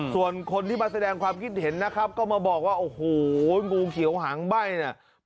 ส่วนคนที่มาแสดงความคิดเห็นนะครับก็มาบอกว่าโอ้โหงูเขียวหางใบ้เนี่ย